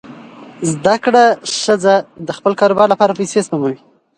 زده کړه ښځه د خپل کاروبار لپاره پیسې سپموي.